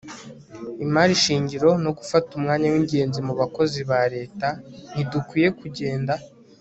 imari shingiro no gufata umwanya wingenzi mubakozi ba leta. ntidukwiye kugenda